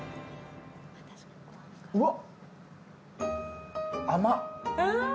うわっ